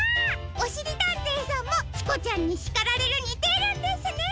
おしりたんていさんも「チコちゃんに叱られる！」に出るんですね。